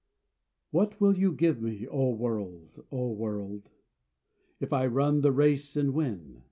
WHAT will you give me, O World, O World! If I run in the race and win?